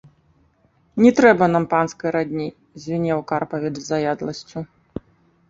— Не трэба нам панскай радні, — звінеў Карпавіч з заядласцю.